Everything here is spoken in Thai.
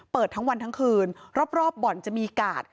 เปิดทั้งวันทั้งคืนรอบบ่อนจะมีกาด